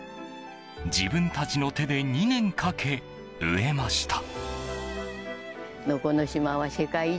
自分たちの手で２年かけ植えました。